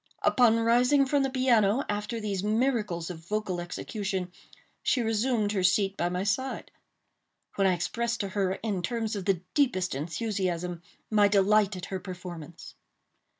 Upon rising from the piano after these miracles of vocal execution, she resumed her seat by my side; when I expressed to her, in terms of the deepest enthusiasm, my delight at her performance.